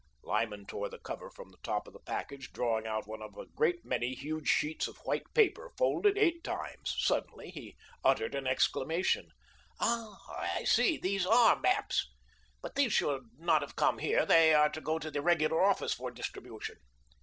Lyman tore the cover from the top of the package, drawing out one of a great many huge sheets of white paper, folded eight times. Suddenly, he uttered an exclamation: "Ah, I see. They ARE maps. But these should not have come here. They are to go to the regular office for distribution."